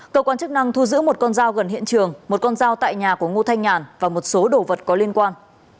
cơ quan chức năng thu giữ một con dao gần hiện trường một con dao tại nhà của ngô thanh nhàn và một số đồ vật có liên quan